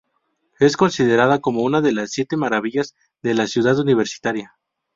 Es considerada como una de las siete maravillas de la ciudad universitaria.